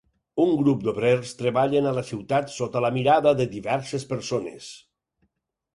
Un grup d'obrers treballen a la ciutat sota la mirada de diverses persones.